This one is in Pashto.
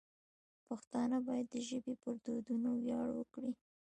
پښتانه باید د ژبې پر دودونو ویاړ وکړي.